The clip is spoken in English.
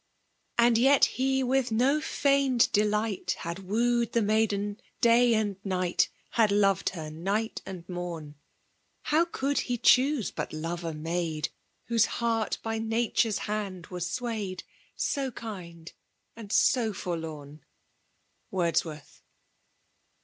And yet he with no feigned delight H ad wooed the nudden day and aight«. Had loved her night aud niorn. How could he choose hut lore a maid WhoM heart by Nature's hand was twayed, — So kind, and so forlorn ? WoBoawoRTB.